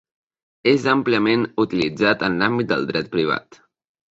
És àmpliament utilitzat en l'àmbit del dret privat.